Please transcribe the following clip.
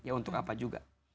ya untuk apa juga